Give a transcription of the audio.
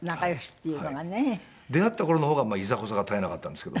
出会った頃の方がいざこざが絶えなかったんですけど。